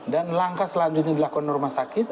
dan langkah selanjutnya dilakukan rumah sakit